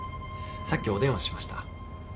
さっきお電話しました。